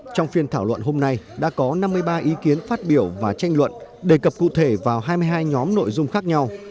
trong phiên thảo luận hôm nay đã có năm mươi ba ý kiến phát biểu và tranh luận đề cập cụ thể vào hai mươi hai nhóm nội dung khác nhau